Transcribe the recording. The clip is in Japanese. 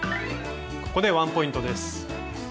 ここでワンポイントです。